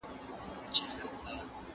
¬ د دښمن په خوږو خبرو مه تېر وزه.